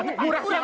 murah murah murah